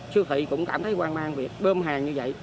sưu thị cũng cảm thấy quan mang việc bơm hàng như vậy